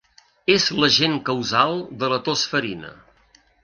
És l'agent causal de la tos ferina.